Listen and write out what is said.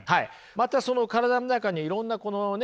またその体の中にいろんなこのね